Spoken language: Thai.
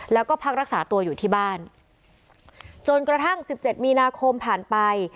แล้วก็พักรักษาตัวอยู่ที่บ้านจนกระทั่งสิบเจ็ดมีนาคมผ่านไป